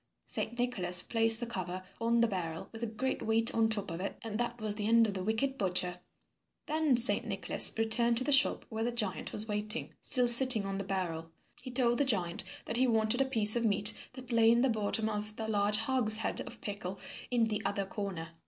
Saint Nicholas placed the cover on the barrel, with a great weight on top of it, and that was the end of the wicked butcher. [Illustration: "STRIKE HARD," SAID THE BOY, "OR IT WILL DO YOU NO GOOD"] Then Saint Nicholas returned to the shop where the giant was waiting, still sitting on the barrel. He told the giant that he wanted a piece of meat that lay in the bottom of the large hogshead of pickle in the other corner.